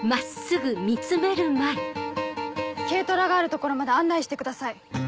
軽トラがある所まで案内してください。